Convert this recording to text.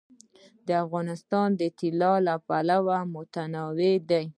افغانستان د طلا له پلوه متنوع دی.